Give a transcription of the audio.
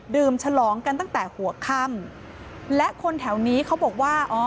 ฉลองกันตั้งแต่หัวค่ำและคนแถวนี้เขาบอกว่าอ๋อ